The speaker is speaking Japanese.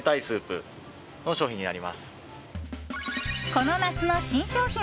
この夏の新商品！